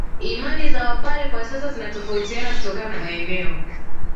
Imani za Wapare kwa sasa zinatofautiana kutokana na maeneo